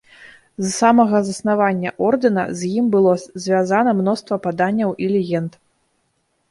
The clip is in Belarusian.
З самага заснавання ордэна, з ім было звязана мноства паданняў і легенд.